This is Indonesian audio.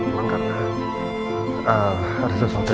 semuanya sudah siap